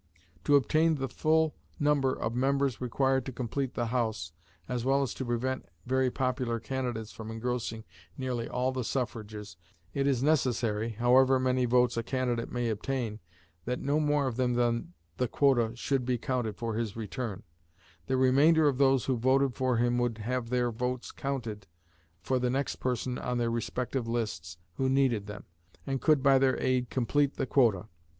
To obtain the full number of members required to complete the House, as well as to prevent very popular candidates from engrossing nearly all the suffrages, it is necessary, however many votes a candidate may obtain, that no more of them than the quota should be counted for his return; the remainder of those who voted for him would have their votes counted for the next person on their respective lists who needed them, and could by their aid complete the quota.